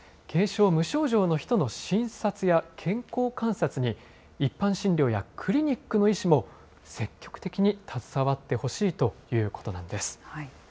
軽症・無症状の人の診察や健康観察に、一般診療やクリニックの医師も、積極的に携わってほしいということなんです。